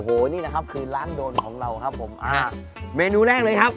โอ้โหนี่นะครับคือร้านโดนของเราครับผมอ่าเมนูแรกเลยครับ